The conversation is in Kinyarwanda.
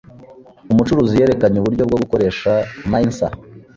Umucuruzi yerekanye uburyo bwo gukoresha mincer.